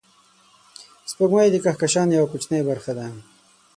سپوږمۍ د کهکشان یوه کوچنۍ برخه ده